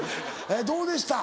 どうでした？